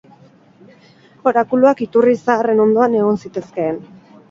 Orakuluak iturri zaharren ondoan egon zitezkeen.